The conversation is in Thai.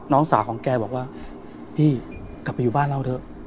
น้องสาวของแกบอกว่าพี่กลับไปอยู่บ้านเราเถอะ